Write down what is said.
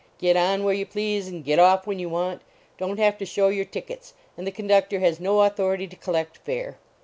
Get on where you please and get off when you want. Don t have to show your tickets, and the conductor has no authority to collect fare.